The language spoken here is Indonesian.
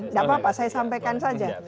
tidak apa apa saya sampaikan saja